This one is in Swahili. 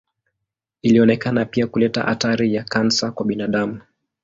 Ilionekana pia kuleta hatari ya kansa kwa binadamu.